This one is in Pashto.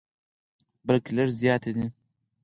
بلکې لږ زیات دي.